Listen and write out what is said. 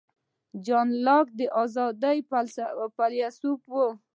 جان لاک د آزادۍ فیلیسوف و.